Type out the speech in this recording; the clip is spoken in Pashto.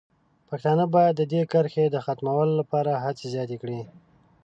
پښتانه باید د دې کرښې د ختمولو لپاره هڅې زیاتې کړي.